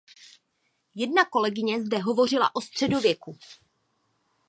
Jedna kolegyně zde hovořila o středověku.